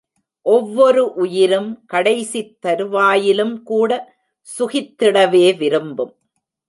ஒவ்வொரு உயிரும் கடைசித் தருவாயிலும் கூட சுகித்திடவே விரும்பும்.